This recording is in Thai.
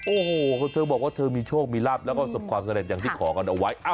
โอ้โหเธอบอกว่าเธอมีโชคมีลาบแล้วก็สมความสำเร็จอย่างที่ขอกันเอาไว้